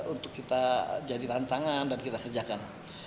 untuk kita jadi tantangan dan kita kerjakan